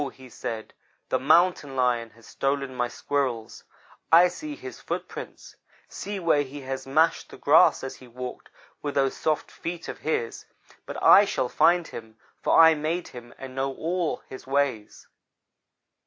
he said, 'the Mountain lion has stolen my Squirrels. I see his footprints; see where he has mashed the grass as he walked with those soft feet of his; but I shall find him, for I made him and know all his ways.'